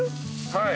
はい。